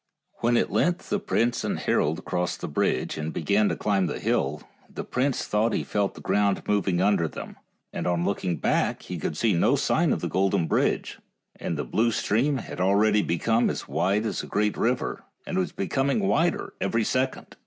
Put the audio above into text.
When at length the prince and herald crossed the bridge and began to climb the hill, the prince thought he felt the ground moving under them, and on looking back he could see no sign of the golden bridge, and the blue stream had already become as wide as a great river, and was becom ing wider every second.